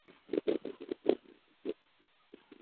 乌贼丝很好吃